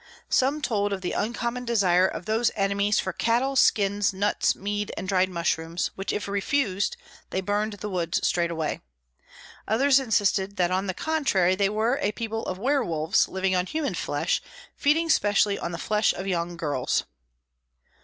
Some told of the uncommon desire of those enemies for cattle, skins, nuts, mead, and dried mushrooms, which if refused, they burned the woods straightway. Others insisted that, on the contrary, they were a people of were wolves, living on human flesh, and feeding specially on the flesh of young girls.